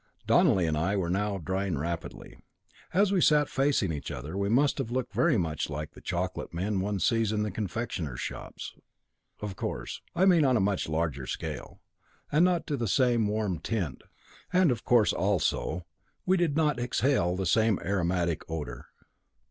Donelly and I were now drying rapidly. As we sat facing each other we must have looked very much like the chocolate men one sees in confectioners' shops of course, I mean on a much larger scale, and not of the same warm tint, and, of course, also, we did not exhale the same aromatic odour.